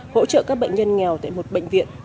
hỗ trợ các bệnh nhân nghèo tại một bệnh viện